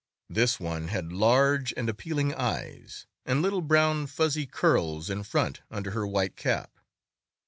This one had large and appealing eyes, and little brown fuzzy curls in front under her white cap.